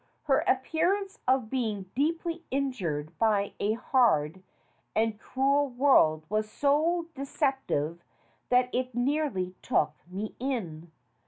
Her appearance of being deeply injured by a hard and cruel world was so deceptive that it nearly took me in.